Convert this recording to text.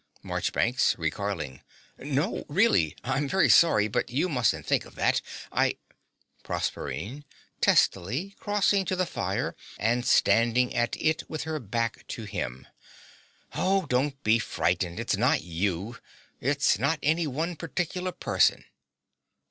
MARCHBANKS (recoiling). No, really I'm very sorry; but you mustn't think of that. I PROSERPINE. (testily, crossing to the fire and standing at it with her back to him). Oh, don't be frightened: it's not you. It's not any one particular person.